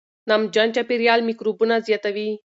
نمجن چاپېریال میکروبونه زیاتوي.